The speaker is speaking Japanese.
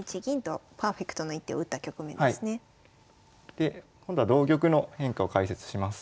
で今度は同玉の変化を解説します。